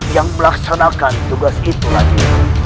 yang melaksanakan tugas itu lagi